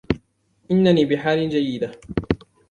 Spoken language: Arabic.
اننی بحال جیده.